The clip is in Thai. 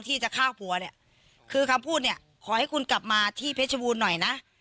ที่จะฆ่าผัวเนี่ยคือคำพูดเนี่ยขอให้คุณกลับมาที่เพชรบูรณ์หน่อยนะ